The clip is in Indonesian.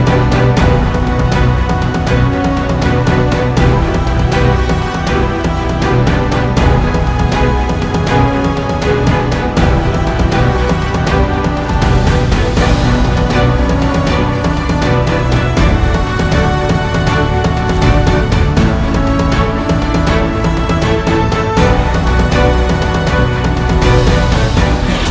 apa yang terjadi